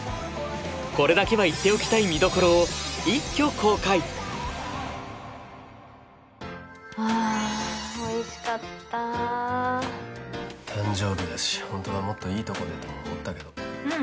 これだけは言っておきたい見どころを一挙公開ああおいしかった誕生日だし本当はもっといいとこでとも思ったけどううん